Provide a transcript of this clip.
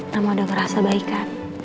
kamu udah ngerasa baikan